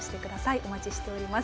お待ちしております。